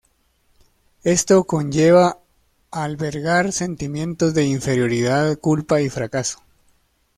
Esto conlleva albergar sentimientos de inferioridad, culpa y fracaso.